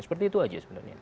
seperti itu saja sebenarnya